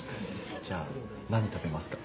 じゃあ何食べますか？